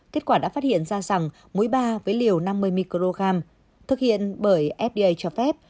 kết quả đã phát hiện ra rằng muối ba với liều năm mươi microgram thực hiện bởi fda cho phép